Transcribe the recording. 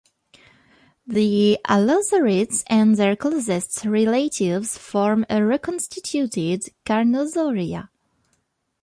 The allosaurids and their closest relatives form a reconstituted Carnosauria.